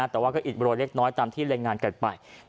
แต่ว่าก็อิดโรยเล็กน้อยตามที่รายงานกันไป